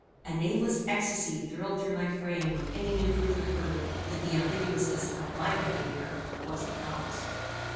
A nameless ecstacy thrilled through my frame when any new proof occurred that the ambiguousness of my behaviour was the cause.